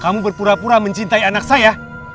kamu berpura pura mencintai anak saya